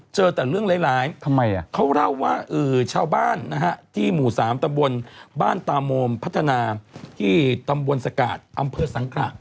เจอแต่เรื่องร้ายเขาเล่าว่าชาวบ้านนะฮะที่หมู่๓ตำบลบ้านตามมพัฒนาที่ตำบลสกาดอำเภอสังขระ